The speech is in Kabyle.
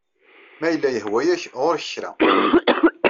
Ma yella yehwa-yak Ɣur-k kra.